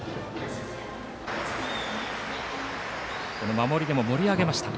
守りでも盛り上げました。